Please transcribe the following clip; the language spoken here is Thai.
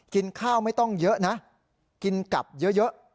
กินข้าวไม่ต้องเยอะนะกินกลับเยอะ